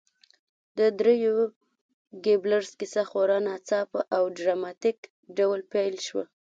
د دریو ګيبلز کیسه خورا ناڅاپه او ډراماتیک ډول پیل شوه